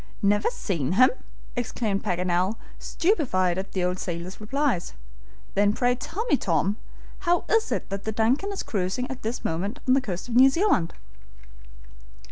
"Never seen him!" exclaimed Paganel, stupefied at the old sailor's replies. "Then pray tell me, Tom, how it is that the DUNCAN is cruising at this moment on the coast of New Zealand?"